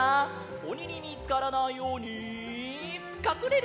おににみつからないようにかくれる！